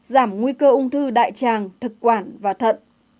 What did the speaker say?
giảm nguy cơ ung thư đại tràng thực quản và thận